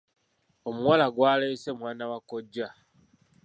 Omuwala gw'aleese mwana wa kojja we .